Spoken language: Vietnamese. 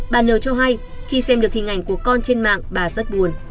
bà nờ cho hay khi xem được hình ảnh của con trên mạng bà rất buồn